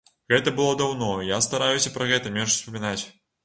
Гэта было даўно, і я стараюся пра гэта менш успамінаць.